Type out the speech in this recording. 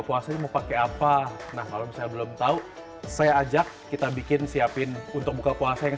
puasa mau pakai apa nah kalau misalnya belum tahu saya ajak kita bikin siapin untuk buka puasa yang